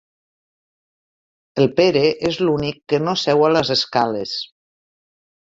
El Pere és l'únic que no seu a les escales.